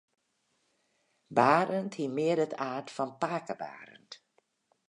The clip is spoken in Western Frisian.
Barend hie mear it aard fan pake Barend.